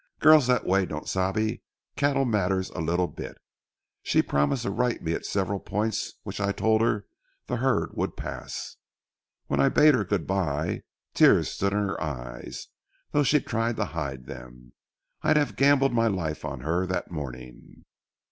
Girls that way don't sabe cattle matters a little bit. She promised to write me at several points which I told her the herd would pass. When I bade her good by, tears stood in her eyes, though she tried to hide them. I'd have gambled my life on her that morning.